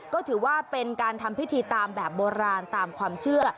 ก็ถือว่าเป็นการทำพิธีตามแบบโบราณตามความเชื่อ